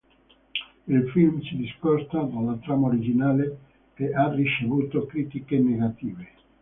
Il film si discosta dalla trama originale e ha ricevuto critiche negative.